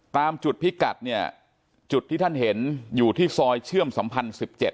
ตามจุดพิกัดเนี่ยจุดที่ท่านเห็นอยู่ที่ซอยเชื่อมสัมพันธ์๑๗